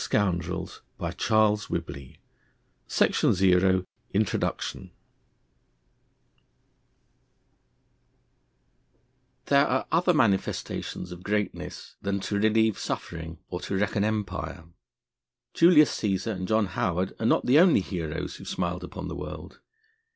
A PARALLEL THE MAN IN THE GREY SUIT MONSIEUR L'ABBÉ INTRODUCTION There are other manifestations of greatness than to relieve suffering or to wreck an empire. Julius Cæsar and John Howard are not the only heroes who have smiled upon the world.